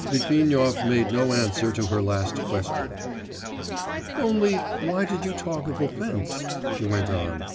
Litvinov made no answer to her last question. 'Only, why did you talk of offence?' she went on.